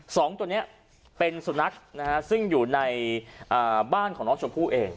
สองตัวนี้เป็นสุนัขนะฮะซึ่งอยู่ในบ้านของน้องชมพู่เอง